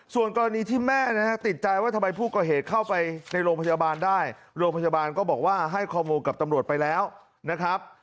ส่วนกรณีที่แม่นะฮะติดใจว่าทำไมผู้ก่อเหตุเข้าไปในโรงพยาบาลได้โรงพยาบาลก็บอกว่าให้ข้อมูลกับตำรวจไปแล้วนะครับ